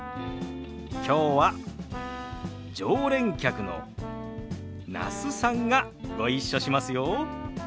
きょうは常連客の那須さんがご一緒しますよ。